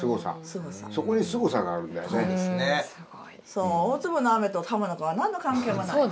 そう大粒の雨と鱧の皮何の関係もない。